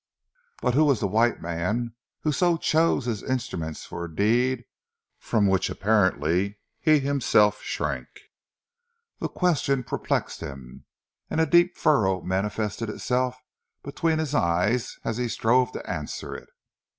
But who was the white man who so chose his instruments for a deed from which apparently he himself shrank? The question perplexed him, and a deep furrow manifested itself between his eyes as he strove to answer it.